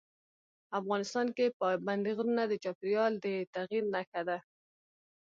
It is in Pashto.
افغانستان کې پابندي غرونه د چاپېریال د تغیر نښه ده.